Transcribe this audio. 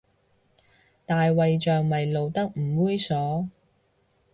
大衛像咪露得唔猥褻